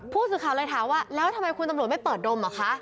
ผู้สื่อข่าวเลยถามว่าแล้วทำไมคุณตำรวจไม่เปิดดมเหรอคะ